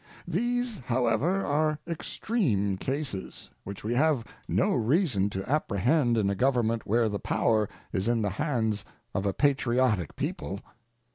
These, however, are extreme cases, which we have no reason to apprehend in a government where the power is in the hands of a patriotic people.